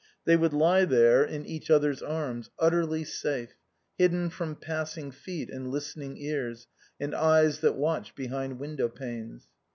They would lie there in each other's arms, utterly safe, hidden from passing feet and listening ears, and eyes that watched behind window panes.